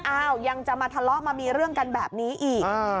อ้าวยังจะมาทะเลาะมามีเรื่องกันแบบนี้อีก